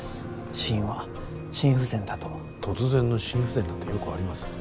死因は心不全だと突然の心不全なんてよくあります